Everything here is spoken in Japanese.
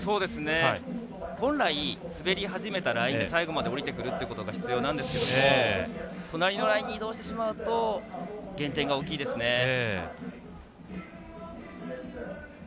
本来、滑り始めたラインで最後まで降りてくるということが必要なんですけど隣のラインに移動してしまうと減点が大きいですね。